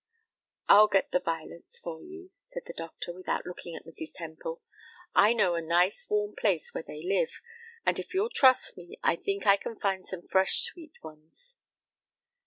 "I'll get the violets for you," said the doctor, without looking at Mrs. Temple. "I know a nice, warm place where they live, and if you'll trust me I think I can find some fresh, sweet ones."